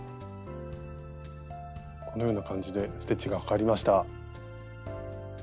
このような感じでステッチがかかりました。